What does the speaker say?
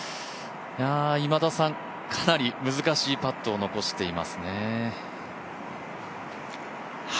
今田さん、かなり難しいパットを残していますね。